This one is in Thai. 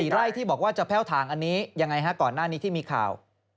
ไร่ที่บอกว่าจะแพ่วถางอันนี้ยังไงฮะก่อนหน้านี้ที่มีข่าว